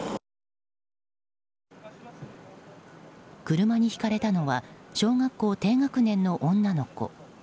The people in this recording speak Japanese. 車にひかれたのは小学校低学年の女の子。